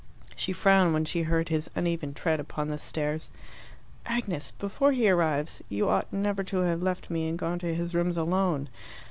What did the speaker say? She frowned when she heard his uneven tread upon the stairs. "Agnes before he arrives you ought never to have left me and gone to his rooms alone.